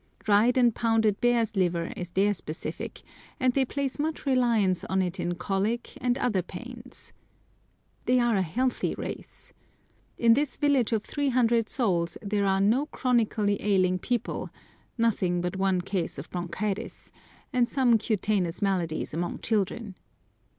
Dried and pounded bear's liver is their specific, and they place much reliance on it in colic and other pains. They are a healthy race. In this village of 300 souls, there are no chronically ailing people; nothing but one case of bronchitis, and some cutaneous maladies among children.